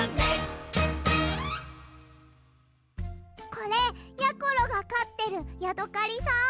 これやころがかってるヤドカリさん？